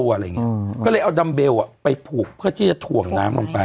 อะไรอย่างเงี้ยอืมก็เลยเอาดัมเบลอ่ะไปผูกเพื่อที่จะถ่วงน้ำลงไป